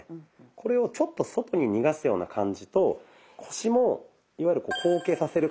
これをちょっと外に逃がすような感じと腰もいわゆる後傾させる